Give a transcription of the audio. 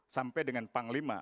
sampai dengan panglima